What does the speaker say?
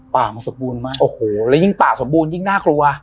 ป่ามันสมบูรณ์มากโอ้โหแล้วยิ่งป่าสมบูรณยิ่งน่ากลัว